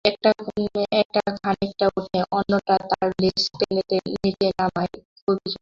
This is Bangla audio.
একটা খানিকটা ওঠে, অন্যটা তার লেজ ধরে টেনে নিচে নামায়া-খুবই জটিল ব্যাপার।